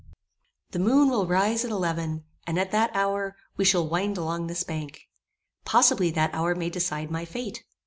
The moon will rise at eleven, and at that hour, we shall wind along this bank. Possibly that hour may decide my fate.